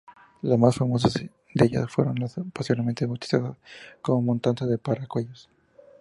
Las más famosas de ellas fueron las posteriormente bautizadas como matanzas de Paracuellos.